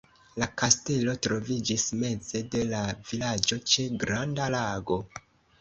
La kastelo troviĝis meze de la vilaĝo ĉe granda lago.